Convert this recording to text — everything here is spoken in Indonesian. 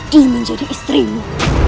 aku tidak sudi menjadi istrimu